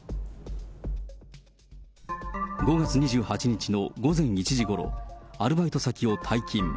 ５月２８日の午前１時ごろ、アルバイト先を退勤。